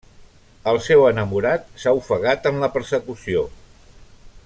El seu enamorat s'ha ofegat en la persecució.